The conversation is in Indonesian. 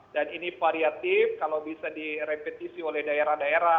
dan ini variatif kalau bisa direpetisi oleh daerah daerah